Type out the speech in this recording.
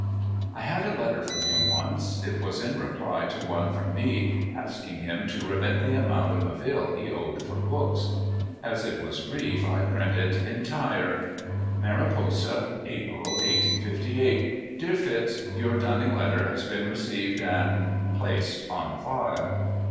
I had a letter from him once. It w^as in reply to one from me asking him to remit the amount of a bill he owed for books. As it was brief, I print it entire: Mariposa, April, 1858. Dear Fitz: Your dunning letter has been received and — placed on file.